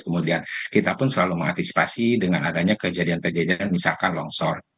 kemudian kita pun selalu mengantisipasi dengan adanya kejadian kejadian misalkan longsor